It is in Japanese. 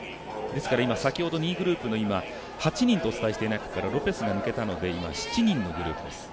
ですから、先ほど２位グループの８人とお伝えしていた中からロペスが抜けたので７人のグループです。